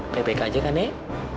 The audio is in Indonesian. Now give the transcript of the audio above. ppk aja kan nek